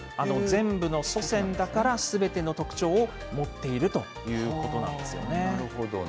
全部の祖先だから、すべての特徴を持っているというなるほどね。